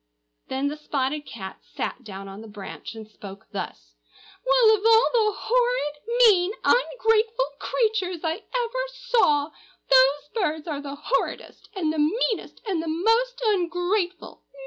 Then the spotted cat sat down on the branch and spoke thus, "Well, of all the horrid, mean, ungrateful creatures I ever saw, those birds are the horridest, and the meanest, and the most ungrateful!